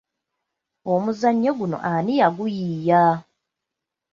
Omuzannyo guno ani yaguyiiya?